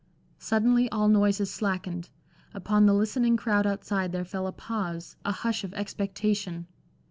Suddenly all noises slackened; upon the listening crowd outside there fell a pause, a hush of expectation.